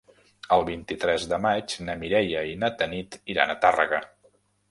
El vint-i-tres de maig na Mireia i na Tanit iran a Tàrrega.